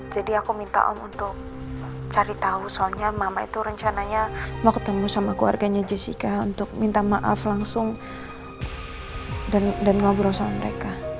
jadi aku minta om untuk cari tahu soalnya mama itu rencananya mau ketemu sama keluarganya jessica untuk minta maaf langsung dan ngobrol sama mereka